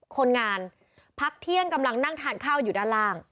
คนงานพักเที่ยงกำลังนั่งทานข้าวอยู่ด้านล่าง